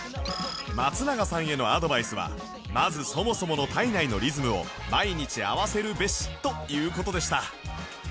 松永さんへのアドバイスはまずそもそもの体内のリズムを毎日合わせるべしという事でした